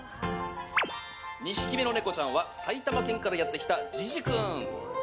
２匹目のネコちゃんは埼玉県からやってきたジジ君。